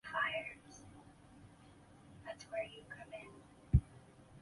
城名是当地原来汉特人地主的家族名称。